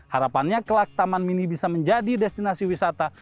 harapannya kelak taman mini bisa menjadi destinasi wisata